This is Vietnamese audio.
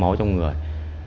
mói trong người